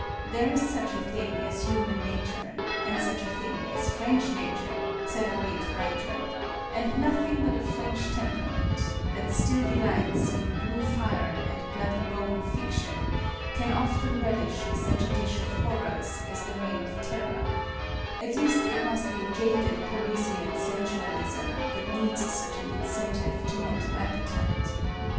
There is such a thing as human nature, .and such a thing as French nature, said a great writer ; and nothing but a French temperament, that still delights in " blue fire and bloody bone" fiction, can often relish such a dish of horrors as the Reign of Ter ror,— at least it must be a jaded Parisian sensualism that needs such an incentive to mental appetite.